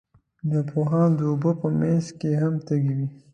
ناپوهان د اوبو په منځ کې هم تږي وي.